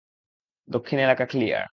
দক্ষিণ এলাকা ক্লিয়ার।